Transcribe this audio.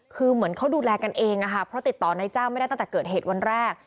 คือเหมือนเขาดูแลกันเองอะค่ะเพราะติดต่อนายจ้างไม่ได้ตั้งแต่เกิดเหตุวันแรก